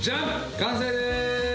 完成です！